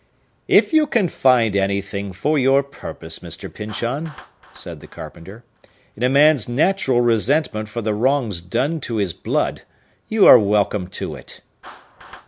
"If you can find anything for your purpose, Mr. Pyncheon," said the carpenter, "in a man's natural resentment for the wrongs done to his blood, you are welcome to it."